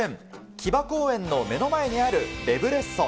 木場公園の目の前にあるレブレッソ。